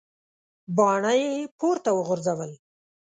باڼه یې پورته وغورځول.